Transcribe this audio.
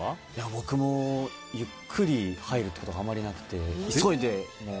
僕もゆっくり入るってことがあまりなくて。